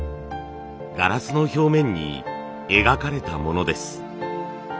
ガラスの表面に描かれたものです。